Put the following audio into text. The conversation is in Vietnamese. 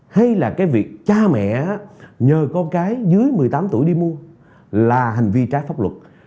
hay là cái việc cha mẹ nhờ con cái dưới một mươi tám tuổi đi mua là hành vi trái pháp luật